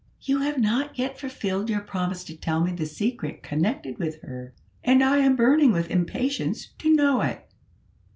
"You have not yet fulfilled your promise to tell me the secret connected with her, and I am burning with impatience to know it."